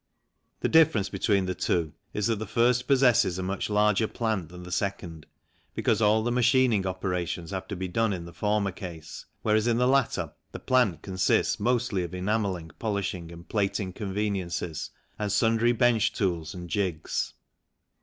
The difference between the two is that the first possesses a much larger plant than the second, because all the machining operations have to be done in the former case, whereas in the latter the plant consists mostly of enamelling, polishing, and plating conveniences and sundry bench tools and jigs.